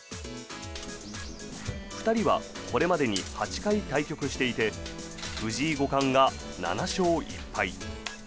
２人はこれまでに８回対局していて藤井五冠が７勝１敗。